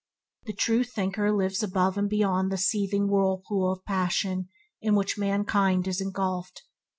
The true thinker lives above and beyond the seething whirlpool of passion in which mankind is engulfed.